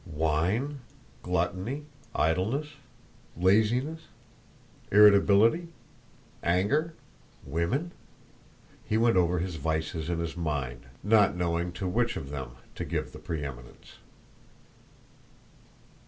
"Wine? Gluttony? Idleness? Laziness? Irritability? Anger? Women?" He went over his vices in his mind, not knowing to which of them to give the pre eminence.